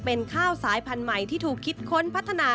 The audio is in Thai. เป็นข้าวสายพันธุ์ใหม่ที่ถูกคิดค้นพัฒนา